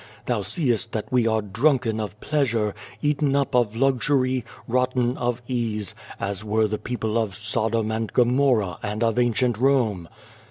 Thou seest that we are drunken of pleasure, eaten up of luxury, rotten of ease, as were the people of Sodom and Gomorrah and of Ancient Rome.